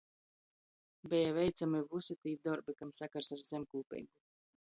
Beja veicami vysi tī dorbi, kam sakars ar zemkūpeibu.